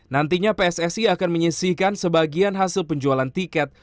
nantinya pssi akan menyisihkan sebagian hasil penjualan tiket